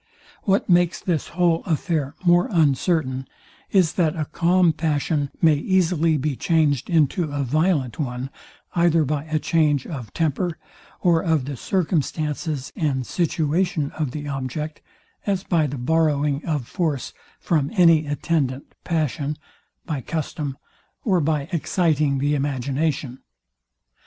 What makes this whole affair more uncertain, is, that a calm passion may easily be changed into a violent one, either by a change of temper, or of the circumstances and situation of the object, as by the borrowing of force from any attendant passion, by custom, or by exciting the imagination.